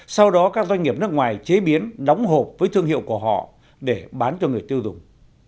sau đó các doanh nghiệp nước ngoài chế biến đóng hộp với thương hiệu của họ để bán cho người tiêu dùng